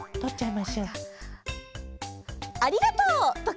「ありがとう！」とか。